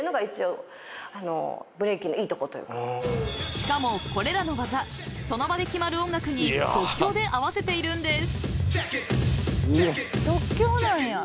しかも、これらの技その場で決まる音楽に即興で合わせているんです。